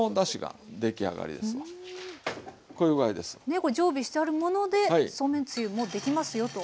ねっこれ常備してあるものでそうめんつゆもできますよと。